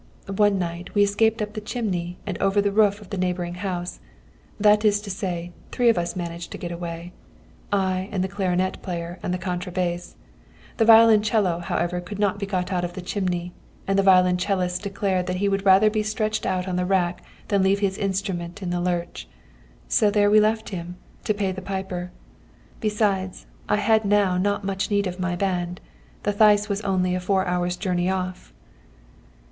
"One night we escaped up the chimney and over the roof of the neighbouring house; that is to say, three of us managed to get away, I and the clarinet player and the contra bass. The violoncello, however, could not be got out of the chimney, and the violoncellist declared that he would rather be stretched on the rack than leave his instrument in the lurch. So there we left him to pay the piper. Besides, I had now not much need of my band; the Theiss was only a four hours' journey off.